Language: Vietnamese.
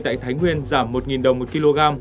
tại thái nguyên giảm một đồng một kg